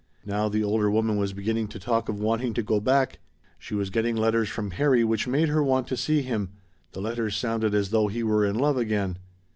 Now the older woman was beginning to talk of wanting to go back; she was getting letters from Harry which made her want to see him. The letters sounded as though he were in love again.